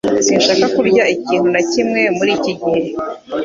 Sinshaka kurya ikintu na kimwe muri iki gihe